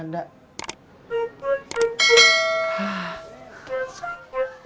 mendingan gue sikat